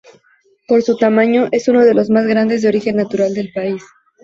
Por su tamaño, es uno de los más grandes de origen natural del país.